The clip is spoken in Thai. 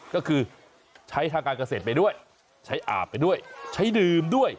ก็คือใช้ทางการเกษตรไปด้วยใช้อาบไปด้วยใช้ดื่มด้วย